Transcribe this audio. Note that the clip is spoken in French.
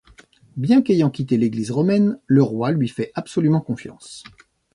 Bien qu'ayant quitté l'Église romaine, le roi lui fait absolument confiance.